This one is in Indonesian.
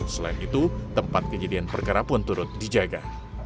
selain itu tempat kejadian perkara pun turut dijaga